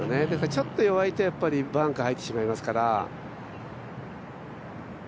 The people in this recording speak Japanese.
ちょっと弱いとバンカー入ってしまいますから。